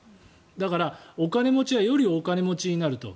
だからお金持ちはよりお金持ちになると。